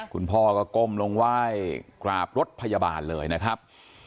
คุณพ่อก็ก้มลงไหว้กราบรถพยาบาลเลยนะครับ